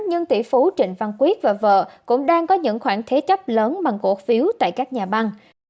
nhân tỷ phú trịnh văn quyết và vợ cũng đang có những khoản thế chấp lớn bằng cổ phiếu tại các nhà băng